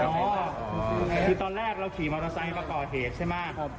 อ๋อคือตอนแรกเราขี่มอสไซค์ประกอบเหตุใช่ไหม